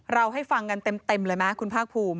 เราให้ฟังกันเต็มเลยนะคุณพากภูมิ